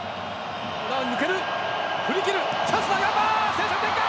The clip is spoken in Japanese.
先制点か！